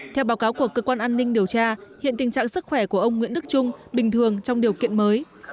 theo báo cáo của cơ quan an ninh điều tra hiện tình trạng sức khỏe của ông nguyễn đức trung bình thường trong điều kiện mới